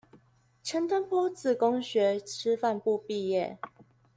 陳澄波自公學師範部畢業